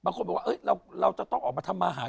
บางคนบอกว่าเราจะต้องออกมาทำมาหา